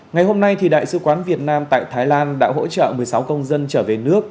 ngày hôm nay đại sứ quán việt nam tại thái lan đã hỗ trợ một mươi sáu công dân trở về nước